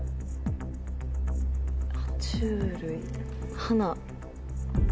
は虫類花。